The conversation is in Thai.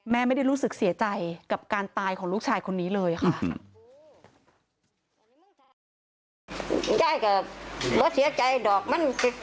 แม่ไม่ได้รู้สึกเสียใจกับการตายของลูกชายคนนี้เลยค่ะ